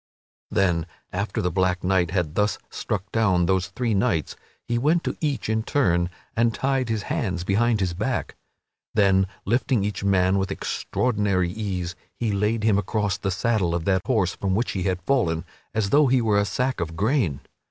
Then after the black knight had thus struck down those three knights he went to each in turn and tied his hands behind his back. Then, lifting each man with extraordinary ease, he laid him across the saddle of that horse from which he had fallen, as though he were a sack of grain.